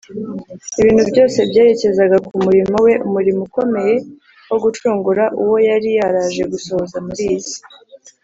. Ibintu byose byerekezaga ku murimo we, umurimo ukomeye wo gucungura uwo yari yaraje gusohoza muri iyi si